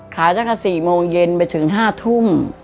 ขายจาก๔โมงเย็นบ้างถึง๕ทุ่ม